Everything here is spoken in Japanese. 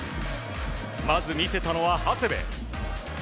まず見せたのは、長谷部。